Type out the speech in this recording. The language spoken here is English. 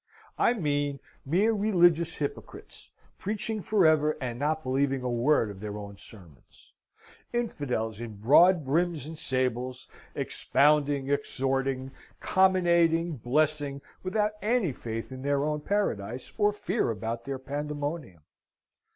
I mean, mere religious hypocrites, preaching for ever, and not believing a word of their own sermons; infidels in broad brims and sables, expounding, exhorting, comminating, blessing, without any faith in their own paradise, or fear about their pandemonium.